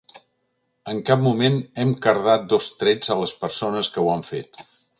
En cap moment hem cardat dos trets a les persones que ho han fet.